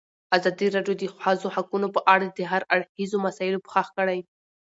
ازادي راډیو د د ښځو حقونه په اړه د هر اړخیزو مسایلو پوښښ کړی.